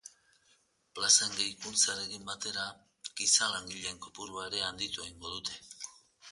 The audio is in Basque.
Plazen gehikuntzarekin batera, giza langileen kopurua ere handitu egingo dute.